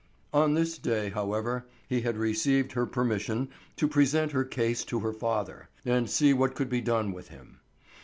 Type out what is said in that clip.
On this day, however, he had received her permission to present her case to her father and see what could be done with him.